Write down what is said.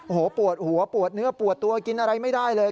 โอ้โหปวดหัวปวดเนื้อปวดตัวกินอะไรไม่ได้เลย